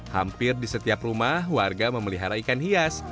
hampir di setiap rumah warga memelihara ikan hias